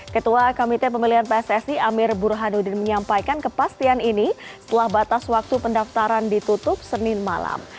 ketua komite pemilihan pssi amir burhanuddin menyampaikan kepastian ini setelah batas waktu pendaftaran ditutup senin malam